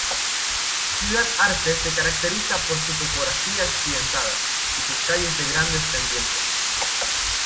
Ciudad Arce se caracteriza por su topografía accidentada y sus calles de grandes pendientes.